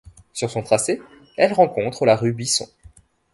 Sur son tracé elle rencontre la rue Bisson.